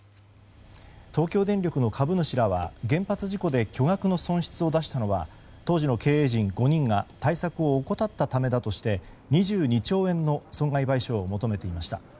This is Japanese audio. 東京電力の株主らは原発事故で巨額の損失を出したのは当時の経営陣５人が対策を怠ったためだとして２２兆円の損害賠償を求めていました。